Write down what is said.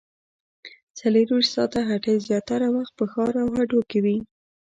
څلورویشت ساعته هټۍ زیاتره وخت په ښار او هډو کې وي